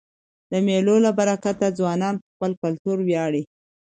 د مېلو له برکته ځوانان په خپل کلتور وياړي.